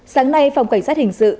sáng nay phòng cảnh sát hình dựng